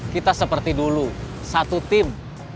kita seperti dulu satu tim